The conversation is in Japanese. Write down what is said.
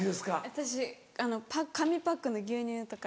私紙パックの牛乳とかです。